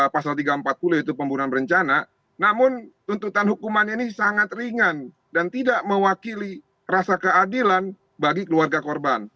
pasal tiga ratus empat puluh yaitu pembunuhan berencana namun tuntutan hukumannya ini sangat ringan dan tidak mewakili rasa keadilan bagi keluarga korban